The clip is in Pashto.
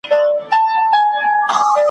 رقص د حورو او غلمانو